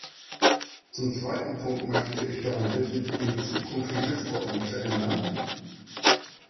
Zum zweiten Punkt möchte ich darum bitten, in Zukunft die Sitzordnung zu ändern.